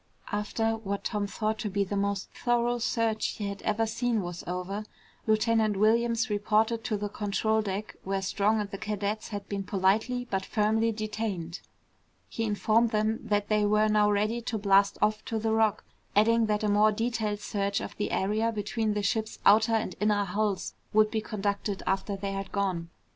After what Tom thought to be the most thorough search he had ever seen was over, Lieutenant Williams reported to the control deck where Strong and the cadets had been politely but firmly detained. He informed them that they were now ready to blast off to the Rock, adding that a more detailed search of the area between the ship's outer and inner hulls would be conducted after they had gone.